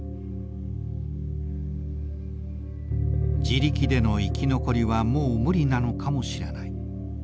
自力での生き残りはもう無理なのかもしれない。